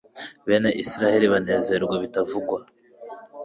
bene Israheli banezerwe bitavugwa